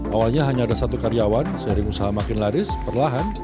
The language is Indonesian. awalnya hanya ada satu karyawan sharing usaha makin laris perlahan